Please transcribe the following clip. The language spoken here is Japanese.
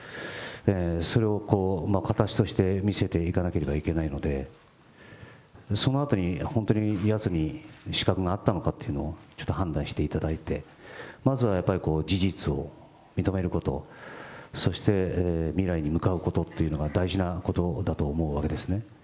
それを形として見せていかなければいけないので、そのあとに本当に、やつに資格があったのかというのをちょっと判断していただいて、まずはやっぱり事実を認めること、そして未来に向かうことというのが大事なことだと思うわけですね。